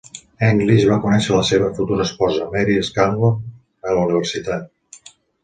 English va conèixer la seva futura esposa, Mary Scanlon, a la universitat.